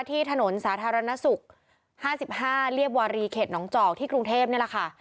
ที่ถนนสาธารณสุข๕๕เรียบวารีเขตหนองจอกที่กรุงเทพนี่แหละค่ะ